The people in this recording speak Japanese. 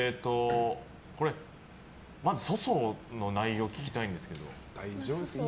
まず、粗相の内容を聞きたいんですけども。